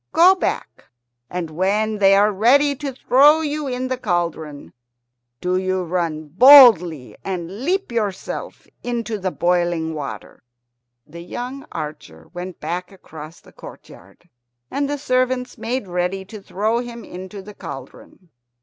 Go back, and when they are ready to throw you in the cauldron, do you run boldly and leap yourself into the boiling water." The young archer went back across the courtyard, and the servants made ready to throw him into the cauldron.